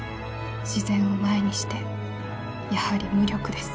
「自然を前にしてやはり無力です」。